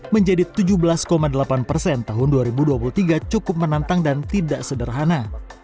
menjadi tujuh belas delapan persen tahun dua ribu dua puluh tiga cukup menantang dan tidak sederhana